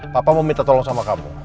papa mau minta tolong sama kamu